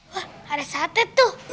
wah ada sate tuh